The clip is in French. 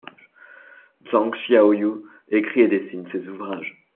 Zhang Xiaoyu écrit et dessine ses ouvrages.